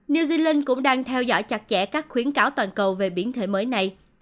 new zealand cũng đang theo dõi chặt chẽ các khuyến cáo toàn cầu về biến thể mới này